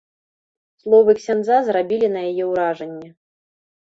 Словы ксяндза зрабілі на яе ўражанне.